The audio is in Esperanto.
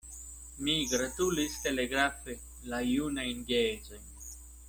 Mi gratulis telegrafe la junajn geedzojn.